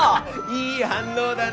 いい反応だね。